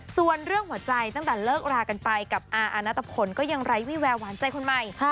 ส่วนเรื่องหัวใจตั้งแต่เลิกรากันไปกับอาณัตภพลก็ยังไร้วิแววหวานใจคนใหม่